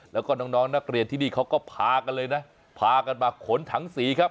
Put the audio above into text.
แล้วก็น้องนักเรียนที่นี่เขาก็พากันเลยนะพากันมาขนถังสีครับ